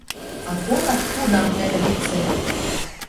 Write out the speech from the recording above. А колат худам нӹнӹ вецӹн